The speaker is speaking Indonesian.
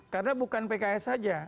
karena bukan pks saja